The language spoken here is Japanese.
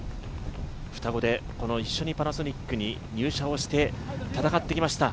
双子で一緒にパナソニックに入社をして戦ってきました。